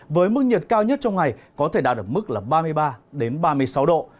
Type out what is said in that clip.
với mức nhiệt cao nhất trong ngày có thể đạt được mức là ba mươi ba ba mươi sáu độ